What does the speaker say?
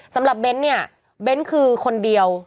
สำหรัสเบนส์เนี่ยเบนส์คือคนเดียว